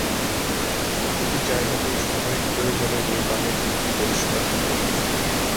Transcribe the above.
দুটি জায়গাতেই সামরিক প্রয়োজনে নির্মাণের দিকটি পরিষ্কার ফুটে ওঠে।